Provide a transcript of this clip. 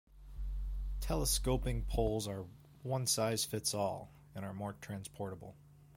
Telescoping poles are 'one-size fits all', and are more transportable.